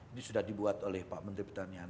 ini sudah dibuat oleh pak menteri pertanian